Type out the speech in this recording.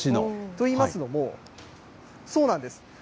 といいますのも、そうなんです。